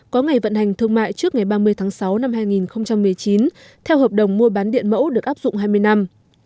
có ngày vận hành thương mại trước ngày ba mươi tháng sáu năm hai nghìn một mươi chín theo hợp đồng mua bán điện mẫu được áp dụng hai mươi năm